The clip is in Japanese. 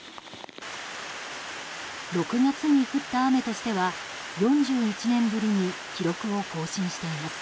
６月に降った雨としては４１年ぶりに記録を更新しています。